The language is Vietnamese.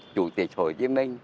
chủ tịch hồ chí minh